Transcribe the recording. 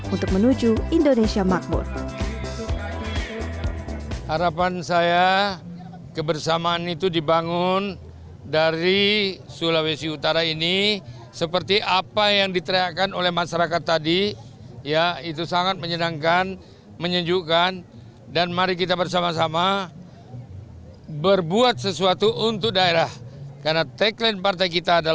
untuk menuju ke jalan sehat hati nurani